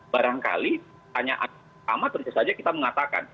barangkali tanyaan sama terus saja kita mengatakan